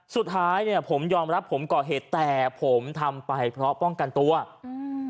สุดท้ายเนี้ยผมยอมรับผมก่อเหตุแต่ผมทำไปเพราะป้องกันตัวอืม